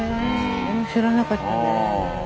知らなかったね。